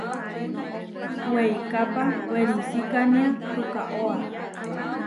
Weikápa werisikánia tukaóa.